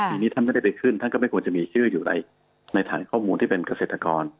ปีนี้ท่านไม่ได้ไปขึ้นท่านก็ไม่ควรจะมีชื่ออยู่ในฐานข้อมูลที่เป็นเกษตรกร